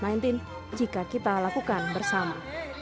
mereka lakukan bersama